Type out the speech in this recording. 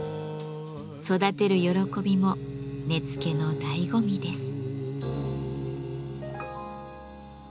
育てる喜びも根付のだいご味です。